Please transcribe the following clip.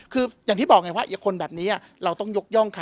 คืออย่างที่บอกไงว่าคนแบบนี้เราต้องยกย่องค่ะ